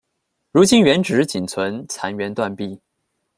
如今原址仅存残垣断壁。